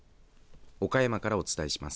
岡山からお伝えします。